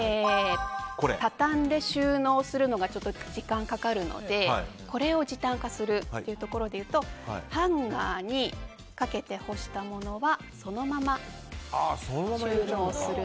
畳んで収納するのが時間かかるのでこれを時短化するというところでいうとハンガーにかけて干したものはそのまま収納する。